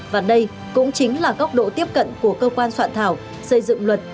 và đây cũng chính là góc độ tiếp cận của cơ quan soạn thảo xây dựng luật